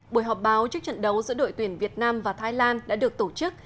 buổi họp báo trước trận đấu giữa đội tuyển việt nam và thái lan đã được tổ chức